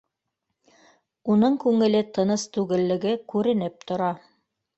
Уның күңеле тыныс түгеллеге күренеп тора